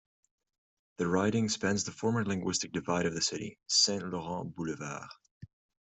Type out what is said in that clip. The riding spans the former linguistic divide of the city, Saint Laurent Boulevard.